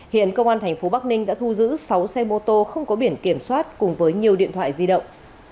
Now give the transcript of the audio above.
hiện công an tp bắc ninh đã thu giữ sáu xe mô tô không có biển kiểm soát cùng với nhiều điện thoại di động